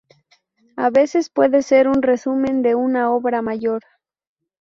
A veces puede ser un resumen de una obra mayor.